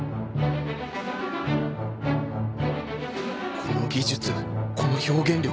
この技術この表現力